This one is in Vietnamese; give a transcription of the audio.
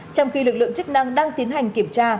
trong khi lực lượng chức năng đang tiến hành kiểm tra